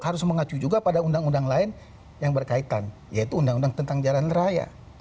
harus mengacu juga pada undang undang lain yang berkaitan yaitu undang undang tentang jalan raya